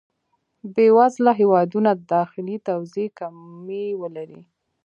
بې وزله هېوادونه داخلي توزېع کمی ولري.